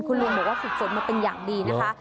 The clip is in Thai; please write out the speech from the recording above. คุณลุงบอกว่าฝึกฝนมาเป็นอย่างดีนะคะ